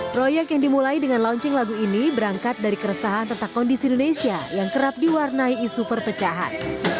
proyek yang dimulai dengan launching lagu ini berangkat dari keresahan tentang kondisi indonesia yang kerap diwarnai isu perpecahan